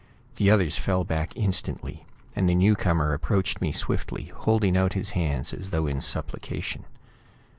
The others fell back instantly, and the newcomer approached me swiftly, holding out his hands as though in supplication.